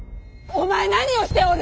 お前何をしておる！